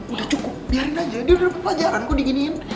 udah cukup biarin aja dia udah pelajaran kok diginiin